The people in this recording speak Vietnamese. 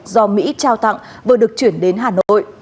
do mỹ trao tặng vừa được chuyển đến hà nội